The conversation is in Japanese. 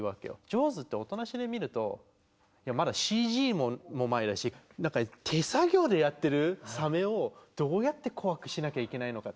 「ジョーズ」って音なしで見るとまだＣＧも前だし手作業でやってるサメをどうやって怖くしなきゃいけないのか。